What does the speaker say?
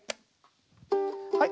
はい。